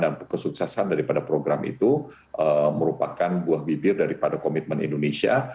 dan kesuksesan daripada program itu merupakan buah bibir daripada komitmen indonesia